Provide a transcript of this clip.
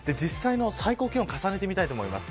実際の最高気温を重ねてみます。